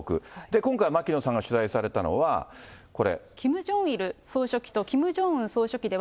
今回、牧野さんが取材されたのは、これ。